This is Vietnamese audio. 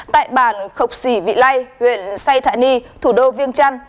tại bàn khộc sỉ vị lai huyện say thạ ni thủ đô viêng trăn